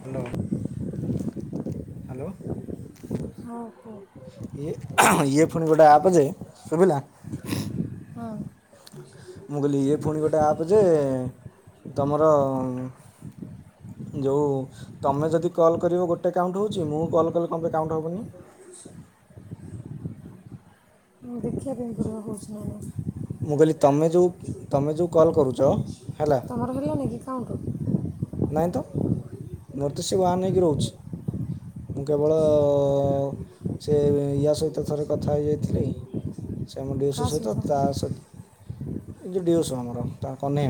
Hello hello. ହଁ ହୋ ଇ ଇଏ ଫୋନ୍ ଗୋଟେ ଆପ୍ ଯେ ଶୁଭିଲା। ହଁ ମୁଁ କହିଲି ଇଏ ପୁଣି ଗୋଟେ ଆପ୍ ଯେ ତୁମର ଯୋଉ ତମେ ଯଦି କଲ କରିବ ଗୋଟେ କାଉଣ୍ଟ ହଉଚି ମୁଁ କଲ କଲେ କାଇଁ ହବନି? [inaudible] ଁ ଦେଖିବା ପାଇଁ ପୁର ଖୁଛି ନା [unintelligible] ମୁଁ କହିଲି ତମେ ଯେଉଁ ତମେ ଯେଉଁ କଲ୍ କରୁଛ ହେଲା ତମର ମିଳିଲାନି କୀ କାଉଣ୍ଟ? ନାଇଁ ତ ମୋର ତ ସେ ଓନେ ହେଇକି ରହୁଛି ମୁଁ କେବଳ ସେ ୟା ସହିତ ଥରେ କଥା ହେଇଯାଇଥିଲି ସେ ଆମ ଡିଓସୁ ସହିତ ତା ସହିତ ଏ ଯେଉଁ ଡିଓସୁ ଆମର ତା କନେୟ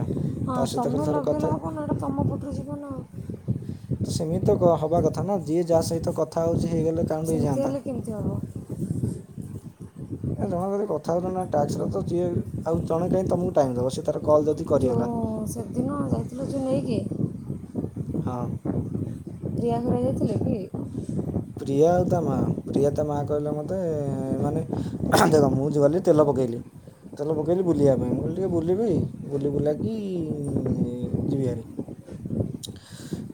ହଁ ତମେ ଲଗେଇଲେ ହବ ନା ଏଇଟା ତମ ପଟରୁ ଯିବନ ଆଉ। ତ ସେମିତି ହବା କଥା ନା ଯିଏ ଯାହା ସହିତ କଥା ହଉଛି ହେଇଗଲେ କାମ ସେମିତି ହେଇଯାଆନ୍ତା। ହେଲେ କେମିତି ହେବ? ଏ ଜଣେ ଯଦି କଥା ହଉଛନ୍ତି ନା ଟର ଯିଏ ଆଉ ଜଣେ କାହିଁ ତମକୁ ଟାଇମ ଦବ ସେ ତାର କଲ୍ ଯଦି କରିଗଲା ଯେଉଁ ସେଦିନ ଯାଇଥିଲୁ ଯେଉଁ ନେଇକି ହଁ। ପ୍ରିୟା ଘର ଯାଇଥିଲେ କି? ପ୍ରିୟା ଆଉ ତା ମା ପ୍ରିୟା ତା ମା କହିଲେ ମତେ ମାନେ ଦେଖ ମୁଁ ଯଉ ଗଲି ତେଲ ପକେଇଲି। ତେଲ ପକେଇଲି ବୁଲିବା ପାଇଁ ମୁଁ କହିଲି ଟିକଏ ବୁଲିବି ବୁଲି ବୁଲାକି ଯିବି ହେରି।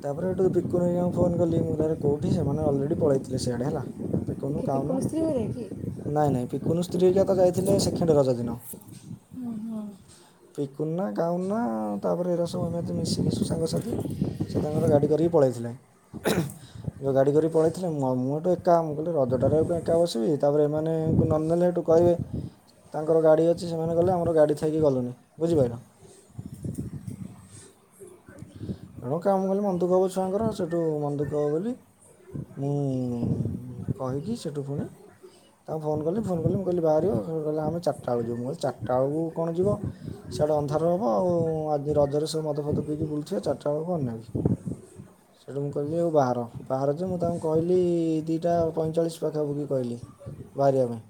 ତାପରେ ଏଠୁ ପକୁନ କୁ ମୁଁ ଫୋନ କଲି ଆରେ କୋଉଠି ସେମାନେ ଅଲରେଡି ପଳେଇଥିଲେ ସେଆଡେ ହେଲା ପିକୁନ କ [unintelligible] ନାଇଁ ନାଇଁ ପିକୁନୁ ସ୍ତ୍ରୀ ହେରିକା ତ ଯାଇଥିଲେ ସେକେଣ୍ଡ ରଜ ଦିନ। ହଁ ହଁ ପିକୁନନା ଗାଉନନା ତାପରେ ଏ ରସବ ଏମତି ମିଶିକି ସାଙ୍ଗସାଥି ସେ ତାଙ୍କର ଗାଡ଼ି କରିକି ପଳାଇଥିଲେ। ଯୋଉ ଗାଡ଼ି କରି ପଳେଇଥିଲେ ମୁଁ ଏଠୁ ଏକା ମୁଁ କହିଲି ରଜ ଟାରେ ଆଉ କଣ ଏକା ବସିବି ତାପରେ ଏମାନେ ତାଙ୍କୁ ନନେଲେ ସେଠୁ କହିବେ ତାଙ୍କର ଗାଡ଼ି ଅଛି ସେମାନେ ଗଲେ ଆମର ଗାଡ଼ି ଥାଇକି ଗଲୁନି ବୁଝିପାରିଲ। [inaudible] ଏଣୁ କାମ କଲେ ମନଦୁଃଖ ହବ ଛୁଆଙ୍କର ସେଇଠୁ ମନଦୁଃଖ ହେବ ବୋଲି ମୁଁ କହିକି ସେଠୁ ପୁଣି ତାଙ୍କୁ ଫୋନ କଲି ଫୋନ କଲି ମୁଁ କହିଲି ବାହାରିବ କହିଲା ଆମେ ଚାରଟା ବେଳକୁ ଯିବୁଁ କହିଲି ଚାରଟା ବେଳକୁ କଣ ଯିବ ସେଆଡ଼େ ଅନ୍ଧାର ହେବ ଆଉ ଆଜି ରଜରେ ସବୁ ମଦ ଫଦ ପିଇକି ବୁଲୁଥିବେ ଚାରଟା ବେଳକୁ କଣ ନେବି। ସେଇଠୁ ମୁଁ କହିଲି ଆଉ ବାହାର ବାହାର ଯେ ମୁଁ ତାଙ୍କୁ କହିଲି ଦୁଇଟା ପଇଁଚାଳିଶ ପାଖାପଖି କହିଲି। ବାହାରିବା ପାଇଁ।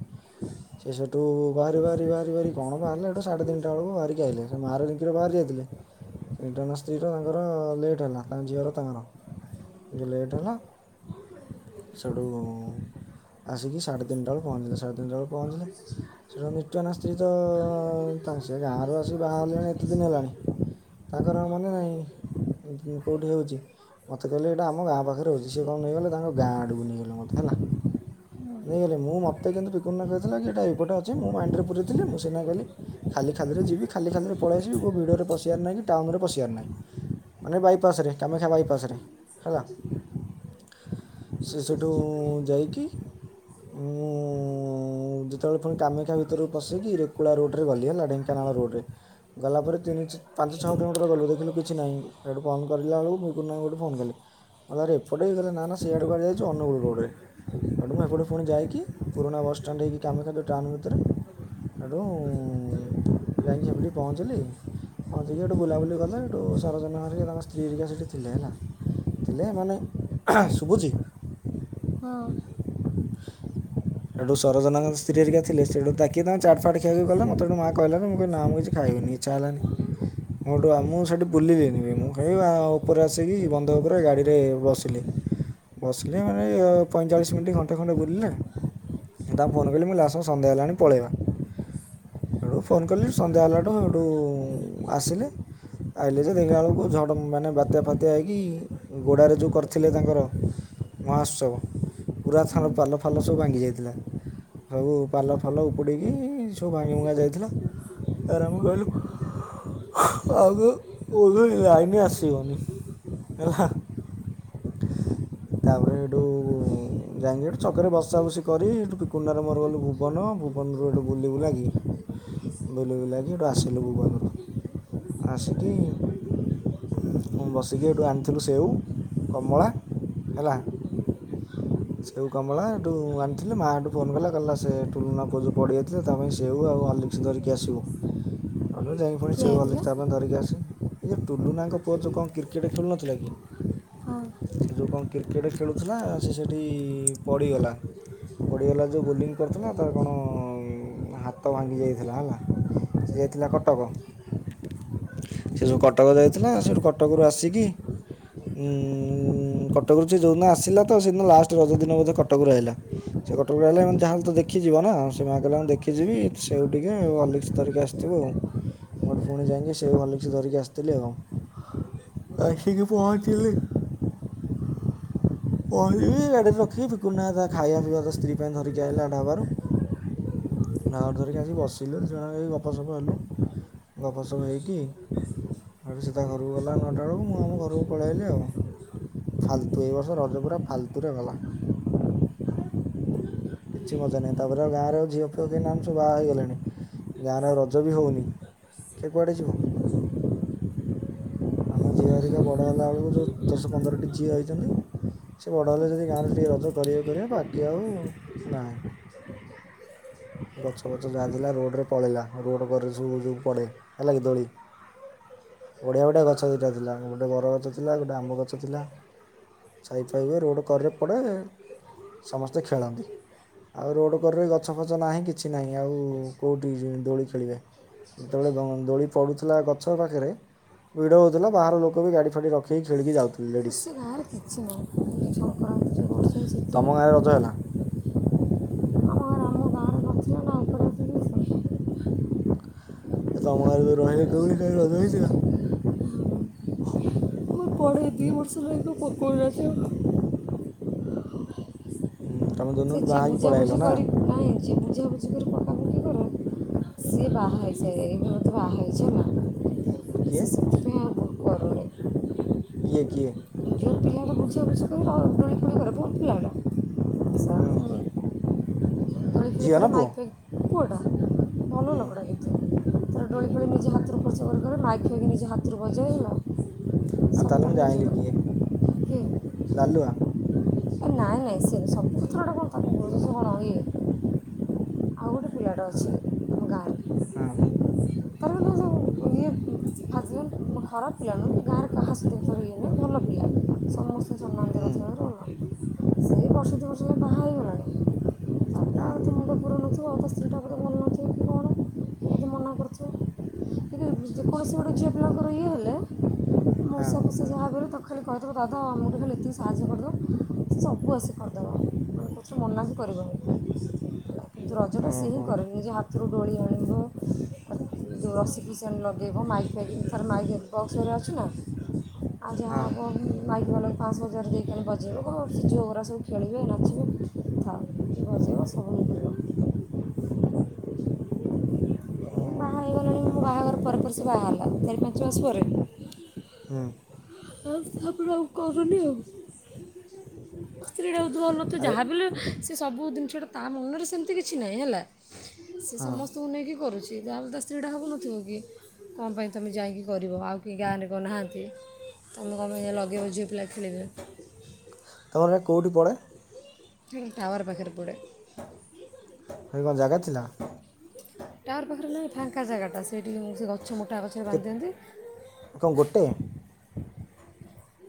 ସେ ସେଠୁ ବାହାରି ବାହାରି ବାହାରି ବାହାରି କଣ ବାହାରିଲା ଏଠୁ ସାଢ଼େ ତିନିଟା ବେଳକୁ ବାହାରିକି ଆଇଲେ [unintelligible] ଥିଲେ ସେଇଠୁ ମୋ ସ୍ତ୍ରୀ ର ତାଙ୍କର ଲେଟ୍ ହେଲା ତାଙ୍କ ଝିଅର ତାଙ୍କର ଟିକେ ଲେଟ୍ ହେଲା ସେଠୁ ଆସିକି ସାଢ଼େ ତିନିଟା ବେଳେ ପହଞ୍ଚିଲେ ସାଢ଼େ ତିନିଟା ବେଳେ ପହଞ୍ଚିଲେ। ସେଠା ନିତ୍ୟନା ସ୍ତ୍ରୀ ତ ତାଙ୍କ ସେ ଗାଁରୁ ଆସିକି ବାହାରିଲାଣି ଏତେ ଦିନ ହେଲାଣି। ତାଙ୍କର ମନେ ନାହିଁ। କୋଉଠି ହଉଛି ମତେ କହିଲେ ଏଇଟା ଆମ ଗାଁ ପାଖରେ ହଉଛି ସେ କଣ ନେଇଗଲେ ତାଙ୍କ ଗାଁ ଆଡ଼କୁ ନେଇଗଲେ ମତେ। ହେଲା। ନେଇଗଲେ ମୁଁ ମୋତେ କିନ୍ତୁ ପିକନ କହିଥିଲା କି ଏଇଟା ଏଇପଟେ ଅଛି ମୁଁ ମାଇଣ୍ଡରେ ପୁରେଇଥିଲି ମୁଁ ସିନା କହିଲି ଖାଲି ଖାଲିରେ ଯିବି ଖାଲି ଖାଲିରେ ପଳେଇ ଆସିବି କେଉଁ ଭିଡ଼ରେ ପଶିବାର ନାହିଁ କି ଟାଉନରେ ପଶିବାର ନାହିଁ। ମାନେ ବାଇପାସରେ କାମାକ୍ଷା ବାଇପାସରେ ହେଲା। ସେ ସେଠୁଁ ଯାଇକି। ମୁଁ ଉଁ ଉଁ ଯେତବେଳେ ପୁଣି କାମାକ୍ଷା ଭିତରକୁ ପସିକି ରୁକୁଳା ରୋଡ଼ରେ ଗଲି ହେଲା ଢେଙ୍କାନାଳ। ହଁ ରୋଡ଼ରେ ଗଲା ପରେ ତିନି ଛି ପାଞ୍ଚ ଛଅ କିଲୋମିଟର ଗଲୁ ଦେଖିଲୁ କିଛି ନାହିଁ। ଏଇଠୁ କଣ କରିଲା ବେଳକୁ ମୁଁ କୁନାକୁ ସେଠୁ ଫୋନ୍ କଲି ମୋତେ ଆରେ ଏପଟେ ସେ କହିଲା ନା ନା ସେଆଡ଼ୁ କୁଆଡ଼େ ଯାଇଛ ଅନୁଗୁଳ ରୋଡ଼ରେ। ଏଠୁ ମୁଁ ଏପଟେ ଫୁଣି ଯାଇକି ପୁରୁଣା ବସ୍ ଷ୍ଟାଣ୍ଡ ହେଇକି କାମାକ୍ଷା ରୋଡ଼ ଟାଉନ୍ ଭିତରେ ଏଇଠୁଁ ଯାଇଁକି ସେପଟିକି ପହଞ୍ଚିଲି। ପହଞ୍ଚିକି ଏଠୁ ବୁଲାବୁଲି କଲେ ଏଠୁ ସରୋଜନା ସେଠି ତାଙ୍କ ସ୍ତ୍ରୀ ଘରିକା ସେଠି ଥିଲେ ହେଲା ଥିଲେ ମାନେ ଅହ ଶୁଭୁଚି। ହଁ। [unintelligible] ସେଠୁ ସରଜନାଙ୍କ ସ୍ତ୍ରୀ ଘରିକା ଥିଲେ ସେଠୁ ଡାକି ତାଙ୍କୁ ଚାଟ୍ ଫାଟ୍ ଖିଆଖୁଇ କଲେ ମତେ ସେଠୁ ମା କହିଲାଁକୁ ମୁଁ କହିଲି ନା ମୁଁ କିଛି ଖାଇବିନି ଇଚ୍ଛା ହେଲାନି। ମୁଁ ସେଠୁ ଆଉ ମୁଁ ସେଠି ବୁଲିଲିନିବି। ମୁଁ ଖାଇ ଆ-ଉପରେ ଆସିକି ବନ୍ଧ ଉପରେ ଗାଡ଼ିରେ ବସିଲି। ବସିଲି ମାନେ ଏଇ ଏ ପଇଁଚାଳିଶ ମିନିଟ୍ ଘଣ୍ଟେ ଖଣ୍ଡେ ବୁଲିଲେ। ମୁଁ ତାଙ୍କୁ ଫୋନ୍ କଲି ମୁଁ ହିଲି ଆସ ସନ୍ଧ୍ୟା ହେଲାଣି ପଳେଇବା। ଏଠୁ ଫୋନ୍ କଲି ସନ୍ଧ୍ୟା ହେଲାଠୁଁ ସେଇଠୁ ଉଁ ଆସିଲେ ଆଇଲେ ଯେ ଦେଖିଲା ବେଳକୁ ଝଡ଼ ମାନେ ବାତ୍ୟା ଫାତ୍ୟା ହେଇକି ଗୋଡ଼ାରେ ଯୋଉ କରିଥିଲେ ତାଙ୍କର। ମହାତ୍ସବ। ପୁରାତନ ପାଲ ଫାଲ ସବୁ ଭାଙ୍ଗି ଯାଇଥିଲା। ସବୁ ପାଲ ଫାଲ ଉପୁଡିକି ସବୁ ଭାଙ୍ଗି ଭୁଙ୍ଗା ଯାଇଥିଲ। [unintelligible] ଲାଇନି ଆସିବନି ହେଲା। ତାପରେ ହେଠୁ ଯାଇଁକି ଏଠୁ ଛକରେ ବସା ବସି କରି ସେଠୁ ପିକୁନାର ମୋର ଗଲୁ ଭୁବନ ହଁ ଭୁବନରୁ ଏବେ ବୁଲିବୁଲି ଆଇଲିଣି। ବୁଲିବୁଲା କିି ଏଠୁ ଆସିଲୁ ଭୁବନରୁ। ଆସିକି ମୁଁ ବସିକି ଏବେ ଆଣିଥିଲୁ ସେଉ କମଳା ହେଲା। ସେଉ କମଳା ଏଠୁ ଆଣିଥିଲି ମା ହେଠୁ ଫୋନ କଲା କହିଲା ସେ ଟୁଲୁନା ପୁଅ ଯୋଉ ପଡି ଯାଇଥିଲା ତା ପାଇଁ ସେଉ ଆଉ ହଲ୍ ଲିକ୍ସ ଧରିକି ଆସିବୁ। ମୁଁ ଯାଇଁ ଫୁଣି କିଏ ସେଉ ଯାଇଥିଲା ହଲିକ୍ସ୍ ତାପାଇଁ ଧରିକି ଆସି ଏ ଯୋଉ ଟୁଲୁନାଙ୍କ ପୁଅ ଯୋଉ କଣ କ୍ରିକେଟ୍ ଖେଳୁନଥିଲା କି? ହଁ ସେ ଯୋଉ କଣ କ୍ରିକେଟ ଖେଳୁଥିଲା ସେ ସେଠି ପଡ଼ିଗଲା। ପଡିଗଲା ଯୋଉ ବୋଲିଂ କରୁଥିଲା ତାର କଣ ଅଁ ହାତ ଭାଙ୍ଗି ଯାଇଥିଲା ହେଲା। ସେ ଯାଇଥିଲା କଟକ। ସେ ଯୋଉ କଟକ ଯାଇଥିଲା ସେଠୁ କଟକରୁ ଆସିକି ଉଁ ହୁଁ କଟକରୁ ସେ ଯୋଉଦିନ ଆସିଲା ତ ସେଦିନ ଲାଷ୍ଟ ରଜ ଦିନ ବୋଧେ କଟକରୁ ଆଇଲା। ସେ କଟକରୁ ଆଇଲା ଏମାନେ ଯାହେଲ ତ ଦେଖିଯିବ ନା ସୀମା କହିଲା ମୁଁ ଦେଖିଯିବି। ସେଉ ଟିକେ ହଲିକ୍ସ ଧରିକି ଆସିଥିବୁ ଆଉ। ମୁ ହେଟୁ ଫୁଣି ଯାଇଁକି ସେଉ ହଲିକ୍ସ ଧରିକି ଆସିଥିଲି ଆଉ କଣ। ଆସିକି ପହଞ୍ଚ୍ ଚିଲି। କହିବି ଗାଡ଼ିରେ ରଖିକି ପିକୁନୁ ନାହିଁ ତା ଖାଇବା ପିଇବା ତା ସ୍ତ୍ରୀ ପାଇଁ ଧରିକି ଆଇଲା ଢାବାରୁ ନୌଡ୍ ଧରିକି ଆସିକି ବସିଲୁ ଦି ଜଣ ଏଇ ଗପସପ ହେଲୁ। ଗପସପ ହେଇକି ହେଇଟୁ ସେ ତା ଘରକୁ ଗଲା ନଅଟା ବେଳକୁ ମୁଁ ଆମ ଘରକୁ ପଳେଆଇଲି ଆଉ। ଫାଲତୁ ଏଇ ବର୍ଷ ରଜ ପୁରା ଫାଲତୁ ରେ ଗଲା। କିଛି ମଜା ନାହିଁ। ତାପରେ ଆଉ ଗାଁରେ ଆଉ ଝିଅ ଫିଅ କେହି ନାହାନ୍ତି ସବୁ ବାହା ହେଇଗଲେଣି। ଗାଁରେ ଆଉ ରଜ ବି ହଉନି କିଏ କୁଆଡ଼େ ଯିବ? ଆମ ଝିଅ ହରିକା ବଡ଼ ହେଲା ବେଳକୁ ଯୋଉ ଦଶ ପନ୍ଦରଟି ଝିଅ ହେଇଚନ୍ତି ସେ ବଡ଼ ହେଲେ ଯଦି ଗାଁରେ ଟିକେ ରଜ କରିବେ କରିବେ ବାକି ଆଉ ନାହିଁ। [inaudible] ଗଛ ଫଛ ଯାହା ଥିଲା ରୋଡ଼ରେ ପଳେଇଲା। ରୋଡ଼ କରରେ ସବୁ ଯୋଉ ପଡ଼େ ହେଲା କି ଦୋଳି। ବଢିଆ ବଢିଆ ଗଛ ଦୁଇଟା ଥିଲା ଗୋଟେ ବର ଗଛ ଥିଲା। ଗୋଟେ ଆମ୍ବ ଗଛ ଥିଲା। ଛାଇ ଫାଇ ହୁଏ ରୋଡ଼ କରରେ ପଡ଼େ। ସମସ୍ତେ ଖେଳନ୍ତି। ଆଉ ରୋଡ଼ କରରେ ଗଛ ଫଛ ନାହିଁ। କିଛି ନାହିଁ। ଆଉ କୋଉଠି ଜିମି ଦୋଳି ଖେଳିବା। ଯେତେବେଳେ ଗ ଦୋଳି ପଡୁଥିଲା ଗଛ ପାଖରେ ଭିଡ ହଉଥିଲା ବାହାର ଲୋକ କ ବି ଗାଡ଼ି ଫାଡି ରଖିକି ଖେଳି କି ଯାଉଥି ହେ ସେ ଗାଁରେ କିଛି ନାହିଁ ଖାଲି ସଂକ୍ରାନ୍ତିରେ ବର୍ଷରେ ତୁମ ଗାଁରେ ରଜ ହେଲା ସେତିକି। ଆମ ଗାଁରେ ଆମ ଗାଁରେ ନଥିଲା ନା ଉପରେ ଏ ତମ ଗାଁ ରେ ଯୋଉ ରହିଲି କୋଉଠି କାଇଁ ରଜ ହେଇଥିଲା? ପଡେ ଦି ହୁଁ ବର୍ଷ ହେଲା ପକଉନାହାଁନ୍ତି ଆଉ। ହୁଁ, ତମେ ସେ ଯେଉଁଦିନଠୁ ଯିଏ ବାହା ହେଇକି ପଳେଇ ଆଇଲ ବୁଝାବୁଝି ନା କରି ନାହିଁ ଯିଏ ବୁଝି ବୁଝାବୁଝି କରି ପକାପକି କରେ ସିଏ ବାହା ହେଇସାଇଲାଣୀ ଏବେ ବୋଧେ ବାହା ହେଇଚି ହେଲା। କିଏ? କରୁଣିନା। କିଏ କିଏ? ବୁଝା ବୁଝି କରୁ ର [unintelligible] ଦୋଳି ଫୋଳି କରେ ଭଲ ପିଲା ଟା। ହୁଁ। ଝିଅ ନା [unintelligible] ପୁଅ ମାଇକି ଫାଇକ୍ ପୁଅ ଟା ଭଲ ହୁଁ ଲୋକଟା କିନ୍ତୁ। ତାର ଦୋଳି ଫୋଳି ନିଜେ ହାତରୁ ଖର୍ଚ୍ଚ କରି କରେ। ମାଇକ୍ ଫାଇକ୍ ନିଜ ହାତରୁ ବଜାଏ ହେଲା। ଆଉ ତା ସବୁ ହେଲେ ତାର ମୁଁ ନିଜେ ଜାଇଁଲି କିଏ କରେ କିଏ ଲାଲୁଆ? ଏ ନାଇଁ ନାଇଁ ସିଏ ନୁହେଁ ସବୁ କଥା ଗୁଡ଼ା କଣ ତାକୁ କହୁଚ ସେ କଣ ଇଏ? ପିଲାଟେ ଅଛି ଆମ ଗାଁର ହଁ। ଉଁ ଖରାପ ପିଲା ନୁହେଁ କି ଗାଁ ରେ କାହାର କାହା ସହିତ [unintelligible] ଇଏ ନୁହେଁ ଭଲ ପିଲା। ସମସ୍ତେ ସମ୍ମାନ ଦେବା ହୁଁ। କଥାରେ ଭଲ ସେଇ ବର୍ଷେ ଦୁଇ ବର୍ଷ ହେଲା ବାହା ହେଇଗଲାଣି ତାପରେ ହଁ। ଆଉ ଏତେ ମୁଣ୍ଡ ପୁରଉନଥିବ ଆଉ ତା ସ୍ତ୍ରୀଟା ବୋଧେ ଭଲ ନଥିବ କି କ'ଣ ଏମିତି ମନା କରୁଥିବ କିନ୍ତୁ ଯେକୌଣସି ଗୋଟେ ଝିଅ ପିଲାଙ୍କର ଇଏ ହେଲେ ହଁ। କହିଦବ ଦାଦା ଆମକୁ ଟିକେ ଖାଲି ଏତିକି ସାହାଯ୍ୟ କରିଦବ। ସେ ସବୁ ଆସି କରିଦବ। ଉଁ କିଛ ମନା ହିଁ କରିବନି କିନ୍ତୁ ରଜଟା ସିଏ ହିଁ ଓହୋ କରେ। ନିଜ ହାତ ଦୋଳି ଆଣିବ। ଉଁ ଜୋ ରଶି ଫସି ଆଣି ଲଗେଇବ। ମାଇକ ଫାଇକ ବି ଥରେ ମାଇକ ଆଣି ବକ୍ସ ହେରିକା ଅଛି ନା? ଆଉ ଯାହା ହଁ ହବ ମାଇକ୍ ବାଲା କୁ ପାଁଶ ହଜାର ଦେଇକି ଆଣି ବଜେଇବ। କହିବ ସେ ଝିଅ ଗୁରା ସବୁ ଖେଳିବେ ନାଚିବେ ଥାଉ। ସେ ବ ଏ ବାହା ଓଃହୋ। ହେଇଗଲାଣି ମୋ ବାହାଘର ପରେ ପରେ ସେ ବାହା ହେଲା ଚାରି ପାଞ୍ଚ ମାସ ପରେ। ହୁଁ। ତା ପରେ ଆଉ କରୁନି ଆଉ। ସ୍ତ୍ରୀଟା ବହୁତ୍ ଭଲ ତ ଆରେ ଯାହାବି ହେଲେ ସେ ସବୁ ଜିନିଷଟା ତା ମନରେ ସେମିତି କିଛି ନାହିଁ ହେଲା। ସେ ହଁ ସମସ୍ତଙ୍କୁ ନେଇକି କରୁଛି। ଯେ ଯାହା ହେଲେ ତା ସ୍ତ୍ରୀ ଟା ଭାବୁନଥିବ କି କଁ ପାଇଁ ତମେ ଯାଇକି କରିବ। ଆଉ କେଇ ଗାଁ ରେ କଣ ନାହାଁନ୍ତି। ତମେ କଁ ପାଇଁ ଯାଇ ଲଗେଇବ ଝିଅ ପିଲା ଖେଳିବେ? ତୁମର ଏଇଟା କେଉଁଠି ପଡ଼େ ଟି ଟାୱାର ପାଖରେ ପଡ଼େ। ହେଇ କଣ ଜାଗା ଥିଲା? ଟାୱାର ପାଖରେ ନାଇଁ ଫାଙ୍କା ଜାଗା ଟା ସେଇଠି ମୁଁ ସେ ଗଛ ଗଛ ମୋଟା ଗଛ ରେ କେ- ବାନ୍ଧି କ'ଣ ଗୋଟେ ଦିଅନ୍ତି।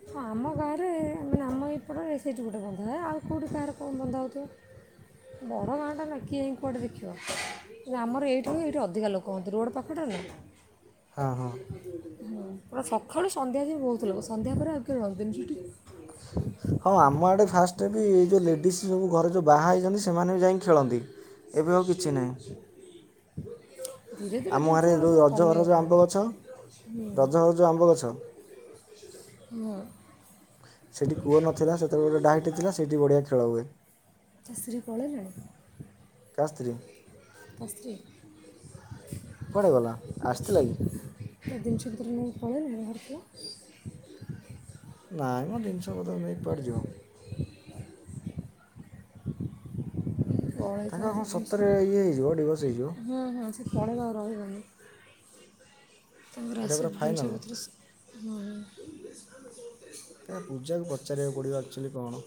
ହଁ ଆମ ଗାଁରେ ମାନେ ଆମ ଏଇପଟରେ ସେଇଠି ଗୋଟାଏ ବନ୍ଧା ହୁଏ। ଆଉ କୋଉଠି କାହାର ବନ୍ଧା ହଉଥିବ? ବଡ ଗାଁ ଟା ନା କିଏ ଯାଇଁ କୁଆଡେ ଦେଖିବ? କି ଆମର ଏଇଠି ହଏ ଏଇଠି ଅଧିକା ଲୋକ ହୁଅନ୍ତି ରୋଡ଼ ପାଖଟା ନା। ହଁ ହଁ। ହୁଁ ପୁରା ସକାଳୁ ରୁ ସନ୍ଧ୍ୟା ଯାଏ ବହୁତ ଲୋକ। ସନ୍ଧ୍ୟା ପରେ ଆଉ କେବେ ରହନ୍ତି ସେଠି। ହଁ ଆମ ଆଡ଼େ ଫାଷ୍ଟରେ ବି ଏ ଯୋଉ ଲେଡ଼ିସ୍ ସବୁ ଘରେ ଯୋଉ ବାହା ହେଇଯାଆନ୍ତି ସେମାନେ ବି ଯାଇକି ଖେଳନ୍ତି। ଏବେ ଆଉ କିଛି ନାହିଁ। ଧୀରେ ଧୀରେ ଆମ ଜିନିଷ ଘାଁରେ ଗୁଡ଼ା ଯୋଉ ସବୁ ରଜରଜ ଆମ୍ବ କମିଗଲାଣି ଗଛ ରଜ ରଜ ଆମ୍ବ ଗଛ। ହଁ। ସେଠି କୂଅ ନଥିଲା ସେତେବେଳେ ଗୋଟେ ଡାଇଟ୍ ଥିଲା ସେଇଠି ବଢ଼ିଆ ଖେଳ ହୁଏ। ତା ସ୍ତ୍ରୀ କା ସ୍ତ୍ରୀ ପଳେଇଲାଣି। କୁଆଡ଼େ ଗଲା ଜିନିଷ ଆସିଥିଲା କି ପତ୍ର ନେଇ ପଳେଇଲାଣି। [unintelligible] ନାଇଁ ମ ଜିନିଷ ପତ୍ର ନେଇକି କୁଆଡେ ଯିବ। [unintelligible] ହୁଁ ହୁଁ ତାଙ୍କର କ'ଣ ସତରେ ଇଏ ହେଇଯିବ ଡିଭୋର୍ସ ହେଇଯିବ [unintelligible] ଏଇଟା ଏଗୁଡ଼ାକ ପୁରା ସବୁ ଜିନିଷ ଫାଇନାଲ୍ ପତ୍ର ହଁ [unintelligible] ଏଇଟା ପୂଜାକୁ ପଚାରିବାକୁ ପଡିବ ଅକଚୁଆଲ କଣ?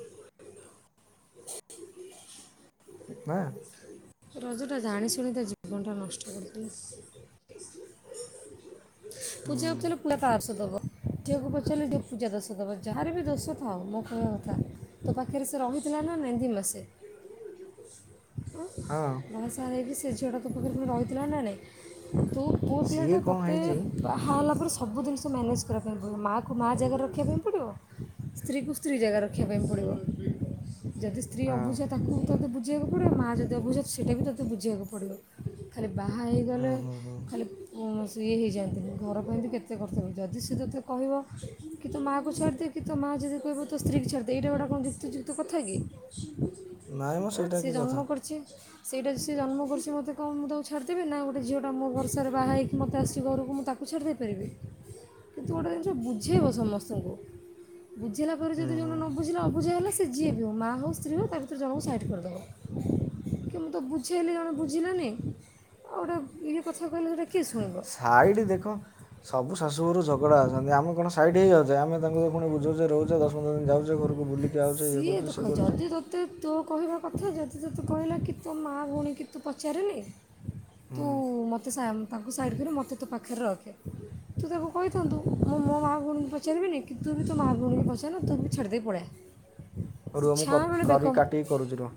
ନା ରଜଟା ଜାଣିଶୁଣି ତା ଜୀବନଟା ନଷ୍ଟ କରିଦେଲା। ପୂଜା ଉପଜ ପୁୁର ତାରଶ ଦବ। ିଅକୁ ପଚାରିଲେ ଟେ ପୂଜା ଦୋଷ ଦେବ ଯାହାର ବି ଦୋଷ ଥାଉ ମୋ କହିବା କଥା ତୋ ପାଖରେ ସେ ରହିିବ ନା ନେନ୍ଦି ମାସେ [inaudible] ମାସେ ହେଇକି ସେ ଝିଅଟାଙ୍କ ପାଖରେ ପୁଣି ରହିଥିଲା ନା ନାହିଁ। ତୁ ପୁଅ ସିଏ ପିଲାଟା କ'ଣ ତଟେ ହେଇଛି ବାହାହେଲା ପରେ ସବୁ ଜିନିଷ ମ୍ୟାନେଜ୍ କରିବା ପାଇଁ ପଡ଼ିବ ମାଆକୁ ମାଆ ଜାଗାରେ ରଖିବା ପାଇଁ ପଡ଼ିବ ସ୍ତ୍ରୀକୁ ସ୍ତ୍ରୀ ଜାଗାରେ ରଖିବା ପାଇଁ ପଡ଼ିବ। ଯଦି ସ୍ତ୍ରୀ ହଁ ଅବୁଝା ତାକୁ ତତେ ବୁଝିବାକୁ ପଡିବ ମା ଯଦି ଅବୁଝା ସେଇଟା ବି ତୋତେ ବୁଝିବାକୁ ପଡ଼ିବ ଖାଲି ବାହା ହେଇଗଲେ ହୁଁ ହୁଁ ହୁଁ ଖାଲି ସଇଏ ହେଇଯାଆନ୍ତିନି ଘର ପାଇଁ ଏମିତି କେତେ କଷ୍ଟ ହ। [inaudible] ଯଦି ସେ ତୋତେ କହିବ କି ତ ମାଆକୁ ଛାଡ଼ିଦିଅ କି ତ ମା ଆ ଯଦି କହିବ ତ ସ୍ତ୍ରୀକୁ ଛାଡ଼ିଦେ ଏଇଟା ଗୁଡା କଣ ଦେଖୁୁ ତ କଥା କି? ନାଇଁ ମ ସେଇଟା ସେ କି କଥା ଜନ୍ମ କରିଛି ସେଇଟା ସେ ଜନ୍ମ କରିିବ ମୋତ କଣଁ ତାକୁ ଛାଡ଼ି ଦେବି ନା ଗୋଟେ ଝିଟା ମୋ ବର୍ଷାରେ ବାହା ହୋଇକି ମୋତେ ଆସି ଘରକୁ ମୁଁ ତାକୁ ପଛାଡ଼ି ଦେଇ ପାରିବେ କିନ୍ତୁ ଗୋଟେ ଜିନିଷ ବୁଝେଇବ ସମସ୍ତଙ୍କୁ। ବୁଝିଲା ପରେ ହୁଁ ଯଦି ଜନେ ହୁଁ ନ ବୁଝିଲେ ଅୁଝା ହେଲେ ସେ ଯିଏ ବି ହେଉ ମା ହେଉ ସ୍ତ୍ରୀ ହେଉ ତା ଭିତରେ ଜଣଙ୍କୁ ସାଇଟ୍ କରିଦବ କି ତ ବୁଝେଇଲେ ଜଣେ ବୁଝିଲାନି ଆଉ ଗୋଟେ ଇଏ କଥା କହିଲେ କିଏ ଶୁଣିବ ସାଇଡ ଦେଖ ସବୁ ଶାଶୁ ଘରୁ ଝଗଡା ଅଛନ୍ତି ଆମେ କଣ ସାଇଡ ହେଇଯାଉଛ? ଯେ ଆମେ ତାଙ୍କୁ ଦେଖୁଣି ବୁଝଛେ ରହୁଛ ଦଶ ପନ୍ଦର ଦିନ ଯାଉଛ ଘରକୁ ବୁଲୀ ସିଏ ଦେଖ ଯଦି ତତେ ତୋ କହିବା କଥା ଯଦି ତ ତୁ କହିଲା କି ତୋ ମାଆ ଭଉଣୀ କି ତୁ ପଚାରେନି ତୁ ମୋତେ ତାକୁ ସାଇଡ଼୍ କରିୁ ମୋତେ ତୋ ପାଖରେ ରଖେ। ତୁ ତାକୁ କହିଥାନ୍ତୁ ମୁଁ ମୋ ମା ଭଉଣୀଙ୍କୁ ପଚାରିବିନି କି ତୁ ବି ତୋ ମା ଭଉଣୀଙ୍କୁ ପଚାର ନା ତୁ ବି ଛାଡ଼ିଦ ପଳେଇଆ। ରୁହ ମୁଁ କରି କାଟିକି କରୁଛି ରୁହ।